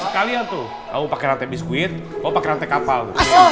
kalian tuh mau pake rantai biskuit mau pake rantai kapal